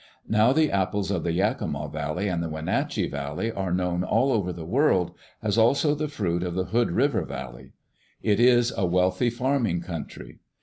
Now the apples of the Yakima Valley and the Wenatchee Valley are known all over the world, as also the fruit of the Hood River Val ley. It is a wealthy farming country.